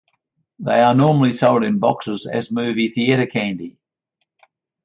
They are normally sold in boxes as movie theatre candy.